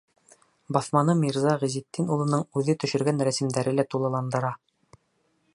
Баҫманы Мирза Ғизетдин улының үҙе төшөргән рәсемдәре лә тулыландыра.